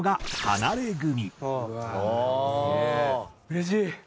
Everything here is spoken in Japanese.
うれしい！